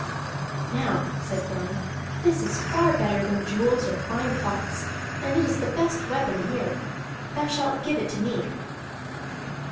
"Now," said Grani, "this is far better than jewels or fine cloths, and it is the best weapon here. Thou shalt give it to me."